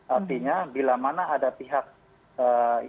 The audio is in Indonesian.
artinya bila mana ada pihak yang